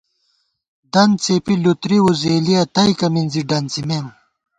دن څېپی لُوتری وزېلِیہ تئیکہ مِنزی ڈنڅِمېم